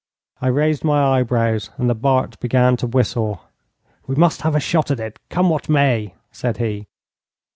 I raised my eyebrows, and the Bart began to whistle. 'We must have a shot at it, come what may,' said he.